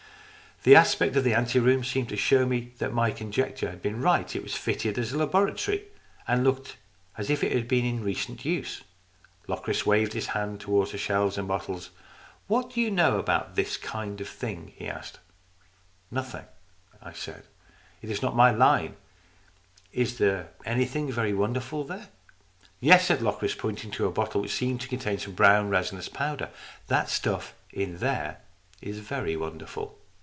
The aspect of the anteroom seemed to show me that my conjecture had been right. It was fitted as a laboratory and looked as if it had been in recent use. Locris waved his hand towards the o 210 STORIES IN GREY shelves and bottles. " What do you know about that kind of thing?" he asked. " Nothing," I said. " It is not in my line. Is there anything very wonderful there ?" "Yes," said Locris, pointing to a bottle which seemed to contain some brown resinous powder. " That stuff in there is very wonderful."